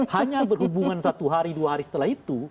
hanya berhubungan satu hari dua hari setelah itu